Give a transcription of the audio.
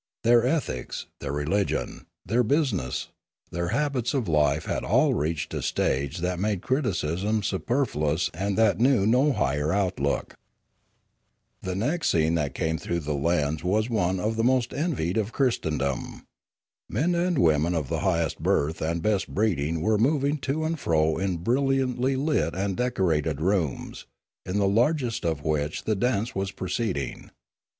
Their ethics, their religion, their business, their habits of life had all reached a stage that made criticism superfluous and that knew no higher outlook. The next scene that came through the lens was one of the most envied of Christendom. Men and women of the highest birth and best breeding were moving to and fro in brilliantly lit and decorated rooms, in the largest of which the dance was proceeding.